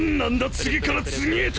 次から次へと！